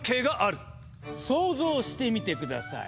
想像してみて下さい。